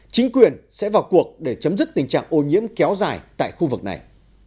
chính quyền sẽ vào cuộc để chấm dứt tình trạng ô nhiễm kéo dài tại khu vực này